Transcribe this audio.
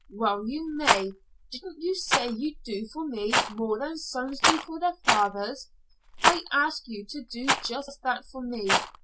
"Well, you may! Didn't you say you'd do for me more than sons do for their fathers? I ask you to do just that for me.